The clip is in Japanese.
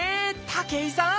武井さん